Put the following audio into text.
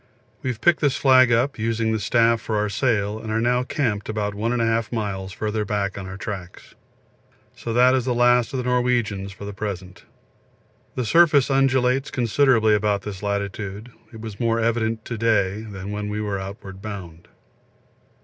We have picked this flag up, using the staff for our sail, and are now camped about 1 1/2 miles further back on our tracks. So that is the last of the Norwegians for the present. The surface undulates considerably about this latitude; it was more evident to day than when we were outward bound.